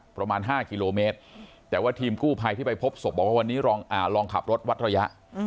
ประมาณ๕กิโลเมตรแต่ว่าทีมกู้ภัยที่ไปพบศพบอกว่าวันนี้ลองขับรถวัดระยะ